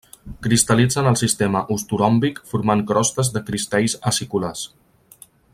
Cristal·litza en el sistema ortoròmbic formant crostes de cristalls aciculars.